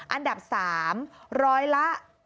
อันดับ๓ร้อยละ